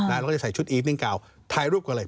แล้วก็จะใส่ชุดอีฟนิ่งเก่าถ่ายรูปก่อนเลย